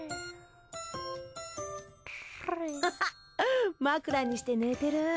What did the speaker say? アハハ枕にして寝てる。